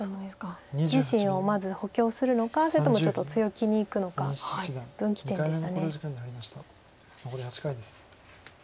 自身をまず補強するのかそれともちょっと強気にいくのか分岐点でした。